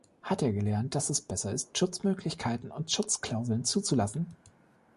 Hat er gelernt, dass es besser ist, Schutzmöglichkeiten und Schutzklauseln zuzulassen?